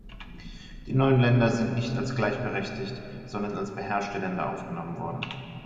Die neuen Länder sind nicht als gleichberechtigte, sondern als beherrschte Länder aufgenommen worden.